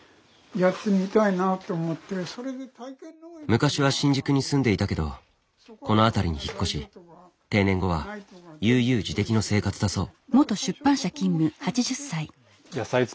昔は新宿に住んでいたけどこの辺りに引っ越し定年後は悠々自適の生活だそう。